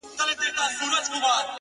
• څه د اوس او څه زړې دي پخوانۍ دي ,